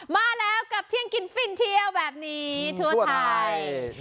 มาแล้วกับเที่ยงกินฟินเที่ยวแบบนี้ทั่วไทย